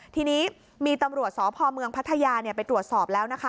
ทีนี้มีตำรวจสพเมืองพัทยาไปตรวจสอบแล้วนะคะ